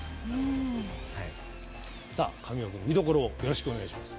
神尾君、見どころをお願いします。